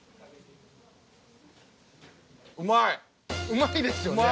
うまいですよね？